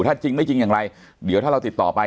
ถ้าจริงไม่จริงอย่างไรเดี๋ยวถ้าเราติดต่อไป